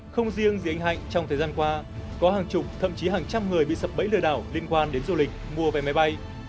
không riêng gì anh hạnh trong thời gian qua có hàng chục thậm chí hàng trăm người bị sập bẫy lừa đảo liên quan đến du lịch mua vé máy bay